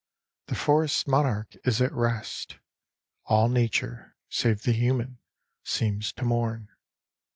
The Forest Monarch is at rest; All nature, save the human, seems to mourn.